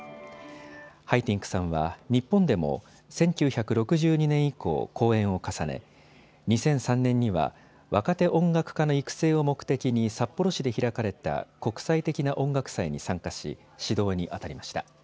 ハイティンクさんは日本でも１９６２年以降、公演を重ね２００３年には若手音楽家の育成を目的に札幌市で開かれた国際的な音楽祭に参加し指導にあたりました。